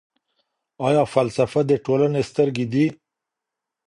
آیا فلسفه د ټولني سترګې دي؟